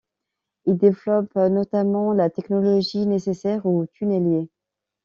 Il développe notamment la technologie nécessaire aux tunneliers.